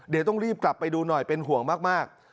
เดี๋ยวต้องรีบกลับไปดูหน่อยเป็นห่วงมาก